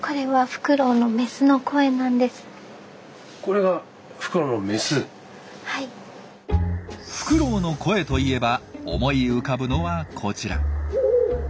フクロウの声といえば思い浮かぶのはこちら。